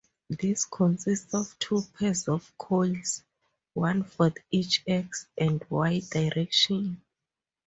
This consists of two pairs of coils, one for each X and Y direction.